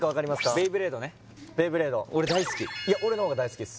ベイブレードね俺大好きいや俺の方が大好きです